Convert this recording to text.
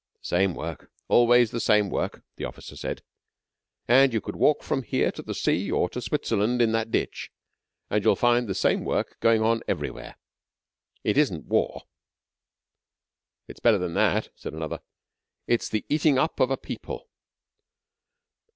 "The same work. Always the same work!" the officer said. "And you could walk from here to the sea or to Switzerland in that ditch and you'll find the same work going on everywhere. It isn't war." "It's better than that," said another. "It's the eating up of a people.